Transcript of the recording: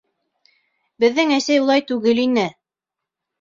Беҙҙең әсәй улай түгел ине...